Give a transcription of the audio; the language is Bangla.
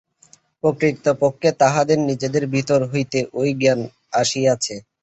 প্রকৃতপক্ষে তাঁহাদের নিজেদের ভিতর হইতেই ঐ জ্ঞান আসিয়াছে।